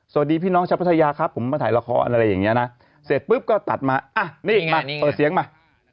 พี่น้องชาวพัทยาครับผมมาถ่ายละครอะไรอย่างนี้นะเสร็จปุ๊บก็ตัดมาอ่ะนี่มาเปิดเสียงมา